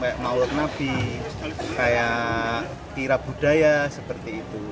kayak maut nabi kayak tira budaya seperti itu